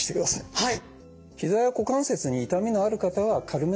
はい。